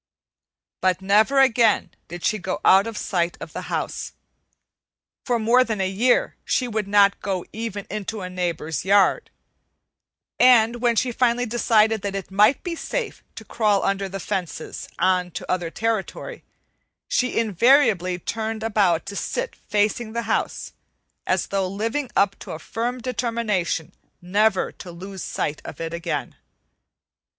But never again did she go out of sight of the house. For more than a year she would not go even into a neighbor's yard, and when she finally decided that it might be safe to crawl under the fences on to other territory, she invariably turned about to sit facing the house, as though living up to a firm determination never to lose sight of it again.